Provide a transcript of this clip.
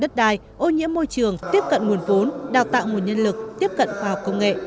tạo nguồn nhân lực tiếp cận khoa học công nghệ